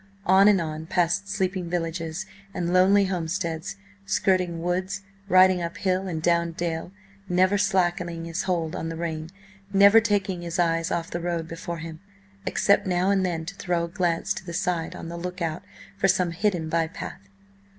On and on, past sleeping villages and lonely homesteads, skirting woods, riding up hill and down dale, never slackening his hold on the rein, never taking his eyes off the road before him, except now and then to throw a glance to the side on the look out for some hidden by path.